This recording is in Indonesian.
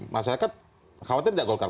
masyarakat khawatir tidak golkar